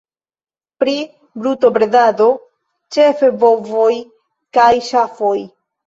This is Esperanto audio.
Pri brutobredado ĉefe bovoj kaj ŝafoj.